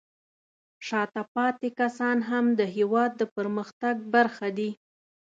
شاته پاتې کسان هم د هېواد د پرمختګ برخه دي.